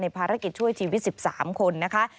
ภารกิจช่วยชีวิต๑๓คนนะคะ